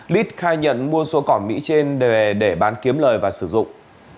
đít khai nhận mua số cỏ mỹ trên để bán kiếm lợi và sử dụng